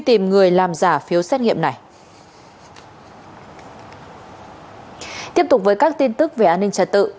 tiếp tục với các tin tức về an ninh trái tự